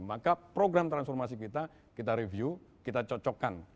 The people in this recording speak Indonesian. maka program transformasi kita kita review kita cocokkan